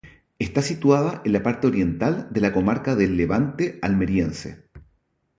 Está situada en la parte oriental de la comarca del Levante Almeriense.